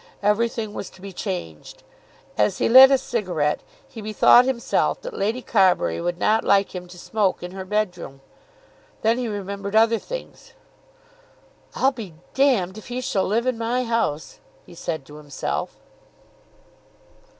Everything was to be changed. As he lit a cigarette he bethought himself that Lady Carbury would not like him to smoke in her bedroom. Then he remembered other things. "I'll be d if he shall live in my house," he said to himself.